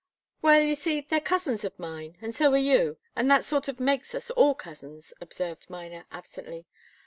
"Well you see, they're cousins of mine, and so are you, and that sort of makes us all cousins," observed Miner, absently.